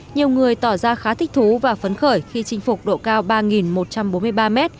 nhiều người tỏ ra khá thích thú và phấn khởi khi chinh phục độ cao ba một trăm bốn mươi ba m